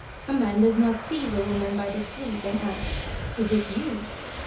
A man does not seize a woman by the sleeve and ask, *'Is it yotf?"